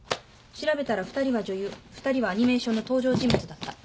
調べたら２人は女優２人はアニメーションの登場人物だった。